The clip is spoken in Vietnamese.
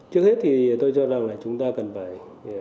trước hết thì tôi cho rằng là chúng ta cần phải